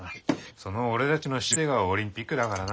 その俺たちの集大成がオリンピックだからな。